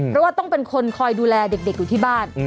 เพราะว่าต้องเป็นคนคอยดูแลเด็กอยู่ที่บ้าน